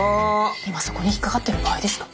今そこに引っ掛かってる場合ですか？